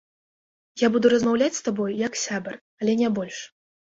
Я буду размаўляць з табой, як сябар, але не больш.